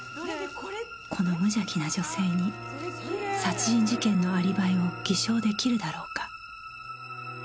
この無邪気な女性に殺人事件のアリバイを偽証出来るだろうか？